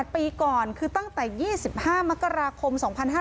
ปีก่อนคือตั้งแต่๒๕มกราคม๒๕๕๙